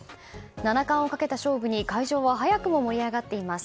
七冠をかけた勝負に会場は早くも盛り上がっています。